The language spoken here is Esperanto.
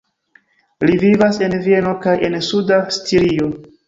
Li vivas en Vieno kaj en Suda Stirio.